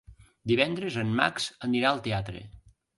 Divendres en Max anirà al teatre.